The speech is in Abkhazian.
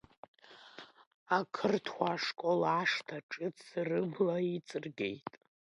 Ақырҭуа школ ашҭа ҿыц рыбла иҵыргеит.